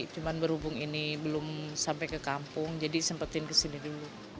cuma berhubung ini belum sampai ke kampung jadi sempetin kesini dulu